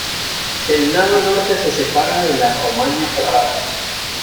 El lado norte se separa de la Romaña Ferrara.